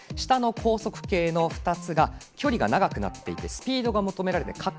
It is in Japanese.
下の高速系の２つが距離が長くなっていてスピードが求められます。